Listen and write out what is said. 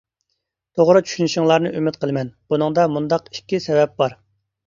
توغرا چۈشىنىشىڭلارنى ئۈمىد قىلىمەن، بۇنىڭدا مۇنداق ئىككى سەۋەب بار.